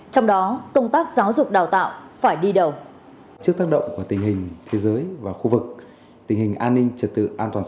trong đó công tác giáo dục đào tạo phải đi đầu